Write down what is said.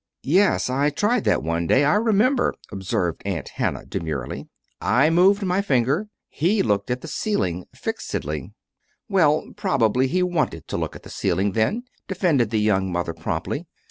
"Yes, I tried that one day, I remember," observed Aunt Hannah demurely. "I moved my finger. He looked at the ceiling fixedly." "Well, probably he wanted to look at the ceiling, then," defended the young mother, promptly.